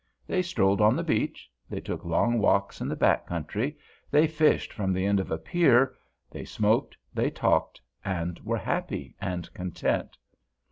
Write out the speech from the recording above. They strolled on the beach, they took long walks in the back country, they fished from the end of a pier, they smoked, they talked, and were happy and content.